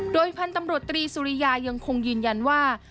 โดยพันธุ์ตำรวจตรีสุริยายังคงยืนยันว่า